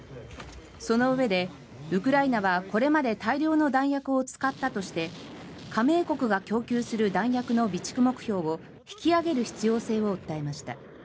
そのうえでウクライナはこれまで大量の弾薬を使ったとして加盟国が供給する弾薬の備蓄目標を引き上げる必要性を訴えました。